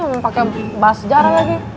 gak mau pake bahas sejarah lagi